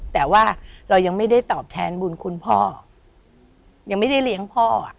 แต่ว่าเรายังไม่ได้ตอบแทนบุญคุณพ่อยังไม่ได้เลี้ยงพ่อ